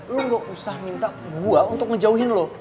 lu gak usah minta gue untuk ngejauhin lu